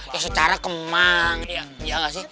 ya secara kemang ya gak sih